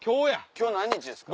今日何日ですか？